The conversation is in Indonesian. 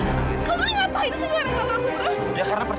kamu ini ngapain sih dengan anak aku terus